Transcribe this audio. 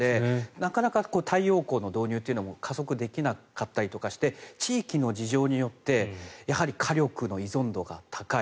なかなか太陽光の導入も加速できなかったりして地域の事情によって火力の依存度が高い。